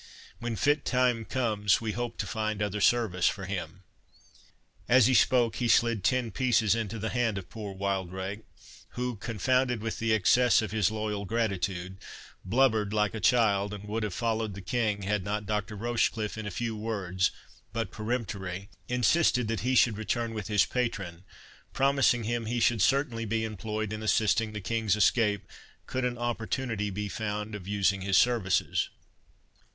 When fit time comes, we hope to find other service for him." As he spoke, he slid ten pieces into the hand of poor Wildrake, who, confounded with the excess of his loyal gratitude, blubbered like a child, and would have followed the King, had not Dr. Rochecliffe, in few words, but peremptory, insisted that he should return with his patron, promising him he should certainly be employed in assisting the King's escape, could an opportunity be found of using his services.